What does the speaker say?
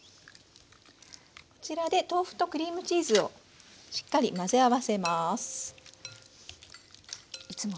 こちらで豆腐とクリームチーズをしっかり混ぜ合わせます。